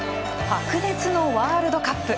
白熱のワールドカップ。